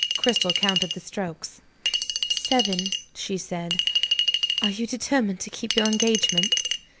Cristel counted the strokes. "Seven," she said. "Are you determined to keep your engagement?"